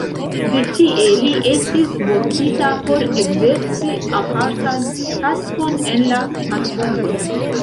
De tie li estis vokita por ekzerci apartan taskon en la patrujo.